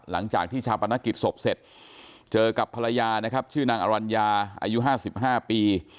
หลังจากที่ชาปนกิจศพเสร็จเจอกับภรรยานะครับชื่อนางอรัญญาอายุ๕๕ปี